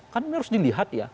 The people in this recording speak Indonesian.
kan harus dilihat ya